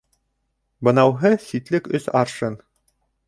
Бынауһы ситлек өс аршын.